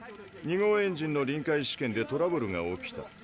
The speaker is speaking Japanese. ２号エンジンの臨界試験でトラブルが起きた。